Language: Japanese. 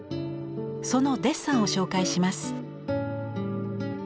そのデッサンを紹介します。